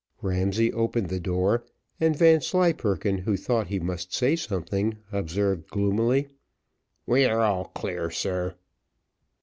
Ramsay opened the door, and Vanslyperken, who thought he must say something, observed gloomily, "We are all clear, sir."